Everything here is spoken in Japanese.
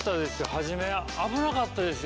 初め危なかったですよ。